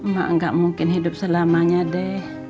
mak nggak mungkin hidup selamanya deh